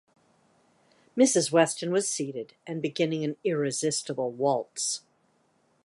Mrs. Weston was seated, and beginning an irresistible waltz.